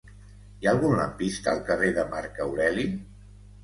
Hi ha algun lampista al carrer de Marc Aureli?